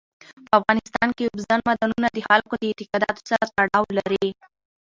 په افغانستان کې اوبزین معدنونه د خلکو د اعتقاداتو سره تړاو لري.